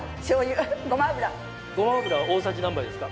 ごま油大さじ何杯ですか？